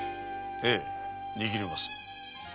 ええ握ります。